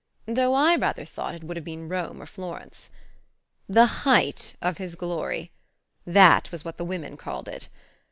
(Though I rather thought it would have been Rome or Florence.) "The height of his glory" that was what the women called it.